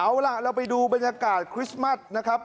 เอาล่ะเราไปดูบรรยากาศคริสต์มัสนะครับ